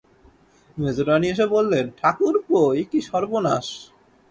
মেজোরানী এসে বললেন, ঠাকুরপো, এ কী সর্বনাশ!